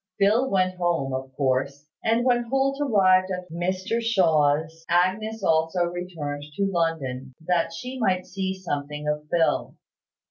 Phil went home, of course; and when Holt arrived at Mr Shaw's, Agnes also returned to London, that she might see something of Phil.